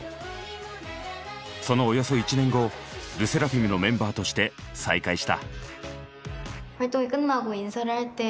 そのおよそ１年後ＬＥＳＳＥＲＡＦＩＭのメンバーとして再会した。